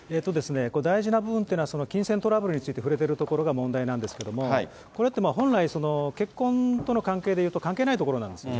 大事な部分っていうのは、金銭トラブルについて触れてるところが問題なんですけれども、これって本来、結婚との関係でいうと関係ないところなんですよね。